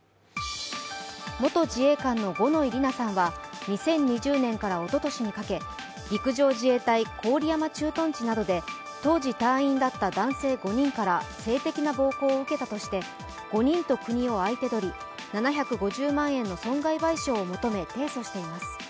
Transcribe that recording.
元自衛官の五ノ井里奈さんは２０２０年からおととしにかけ陸上自衛隊・郡山駐屯地などで当時隊員だった男性５人から性的な暴行を受けたとして、５人と国を相手取り、７５０万円の損害賠償を求め、提訴しています。